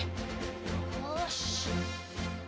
よし。